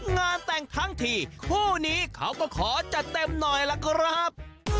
งานแต่งทั้งทีคู่นี้เขาก็ขอจัดเต็มหน่อยล่ะครับ